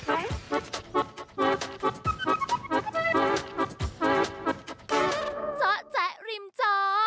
เจาะแจ๊ะริมจอ